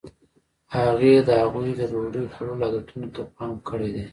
هغې د هغوی د ډوډۍ خوړلو عادتونو ته پام کړی دی.